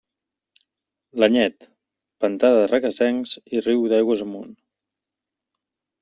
L'Anyet: pantà de Requesens i riu aigües amunt.